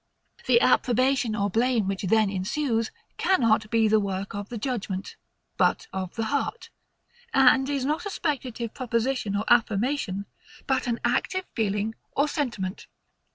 The approbation or blame which then ensues, cannot be the work of the judgement, but of the heart; and is not a speculative proposition or affirmation, but an active feeling or sentiment.